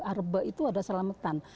arbe itu adalah selamatan